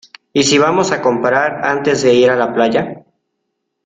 Y si vamos a comprar antes de ir a la playa.